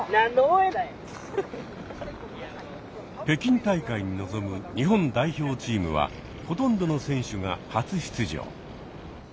北京大会に臨む日本代表チームはほとんどの選手が初出場。